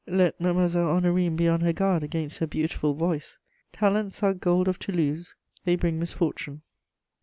Let Mademoiselle Honorine be on her guard against her beautiful voice! Talents are "gold of Toulouse:" they bring misfortune. [Sidenote: Bordeaux.